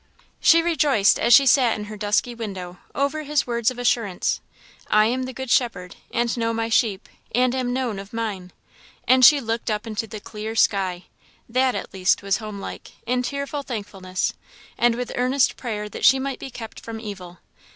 She rejoiced, as she sat in her dusky window, over his words of assurance, "I am the good shepherd, and know my sheep, and am known of mine;" and she looked up into the clear sky (that at least was home like) in tearful thankfulness, and with earnest prayer that she might be kept from evil.